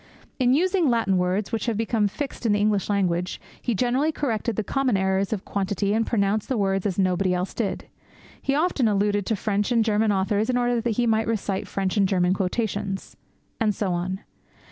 In using Latin words which have become fixed in the English language, he generally corrected the common errors of quantity and pronounced words as nobody else did. He often alluded to French and German authors in order that he might recite French and German quotations.' And so on.